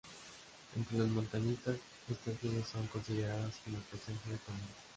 Entre los montañistas estas nubes son consideradas como presagio de tormenta.